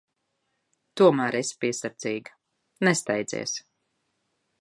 Tomēr esi piesardzīga. Nesteidzies.